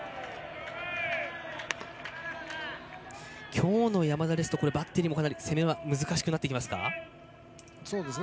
きょうの山田ですとバッテリー攻めが難しくなってきますか。